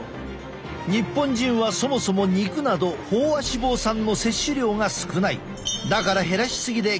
日本人はそもそも肉など飽和脂肪酸の摂取量が少ない。